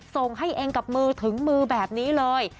ส่งให้เองกับมือถึงมือแบบนี้เลย